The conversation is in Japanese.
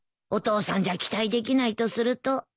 お父さんじゃ期待できないとすると